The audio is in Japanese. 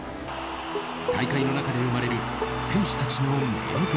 大会の中で生まれる選手たちの名言。